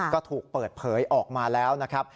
ก็ถูกเปิดเผยออกมาแล้วนะครับ